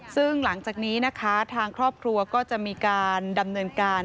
ซึ่งหลังจากนี้นะคะทางครอบครัวก็จะมีการดำเนินการ